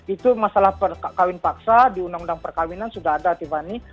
itu masalah kawin paksa di undang undang perkawinan sudah ada tiffany